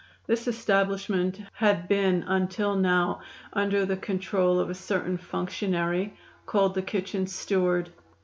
This establishment had been until now under the control of a certain functionary called the kitchen steward.